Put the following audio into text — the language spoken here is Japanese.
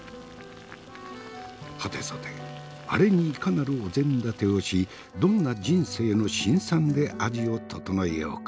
はてさてアレにいかなるお膳立てをしどんな人生の辛酸で味を調えようか。